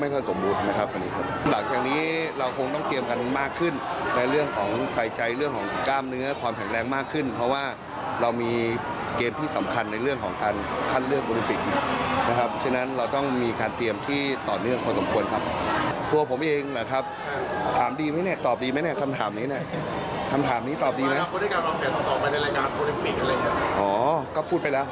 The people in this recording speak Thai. พูดไปแล้วครับผมพูดไปแล้วครับเมื่อกี้ครับ